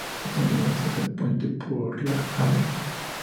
Se tiene acceso al puente por la Av.